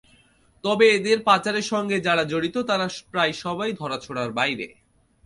তবে এঁদের পাচারের সঙ্গে যারা জড়িত, তারা প্রায় সবাই ধরাছোঁয়ার বাইরে।